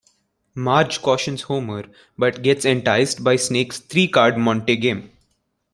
Marge cautions Homer, but gets enticed by Snake's Three-card Monte game.